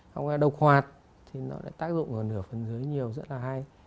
không có độc hoạt thì nó lại tác dụng vào nửa phần dưới nhiều rất là hay